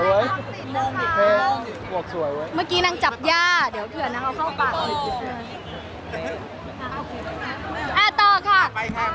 ขอบคุณนะครับ